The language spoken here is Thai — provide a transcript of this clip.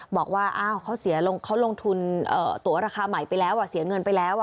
บอกว่าอ้าวเขาลงทุนตั๋วราคาใหม่ไปแล้ว